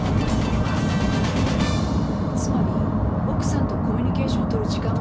つまり奥さんとコミュニケーションを取る時間がほしいってこと？